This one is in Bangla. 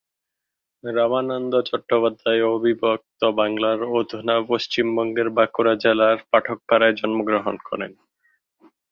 রামানন্দ চট্টোপাধ্যায় অবিভক্ত বাংলার অধুনা পশ্চিমবঙ্গের বাঁকুড়া জেলার পাঠকপাড়ায় জন্ম গ্রহণ করেন।